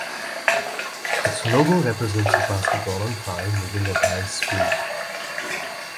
Its logo represents a basketball on fire moving at high speed.